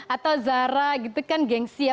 atau zara gitu kan gengsi ya